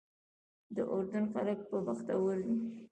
د اردن خلک بختور دي.